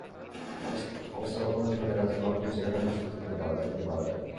অবস্থার অবনতি হলে রাতে নোয়াখালী জেনারেল হাসপাতালে নেওয়ার পথে তিনি মারা যান।